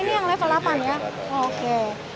ini yang level delapan ya oke